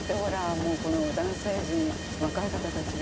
もうこの男性陣若い方たちが